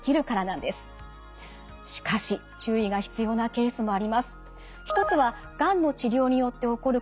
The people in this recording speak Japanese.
しかし注意が必要なケースもあります。